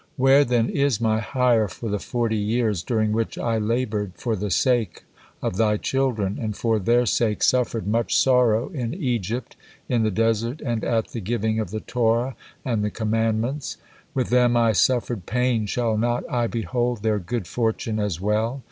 Where, then, is my hire for the forty years during which I labored for the sake of Thy children, and for their sake suffered much sorrow in Egypt, in the desert, and at the giving of the Torah and the commandments? With them I suffered pain, shall not I behold their good fortune as well?